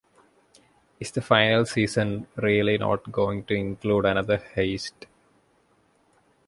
Is the final season really not going to include another heist?